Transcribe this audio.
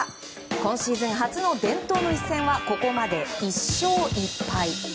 今シーズン初の伝統の一戦はここまで１勝１敗。